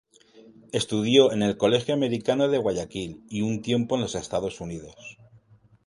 Estudió en el Colegio Americano de Guayaquil y un tiempo en los Estados Unidos.